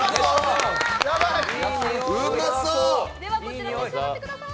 ではこちら召し上がってください。